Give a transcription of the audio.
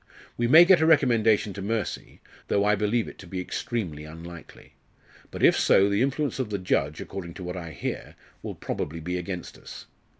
We may get a recommendation to mercy, though I believe it to be extremely unlikely. But if so, the influence of the judge, according to what I hear, will probably be against us.